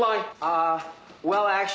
ああ。